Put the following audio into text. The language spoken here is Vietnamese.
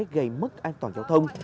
gây mất an toàn giao thông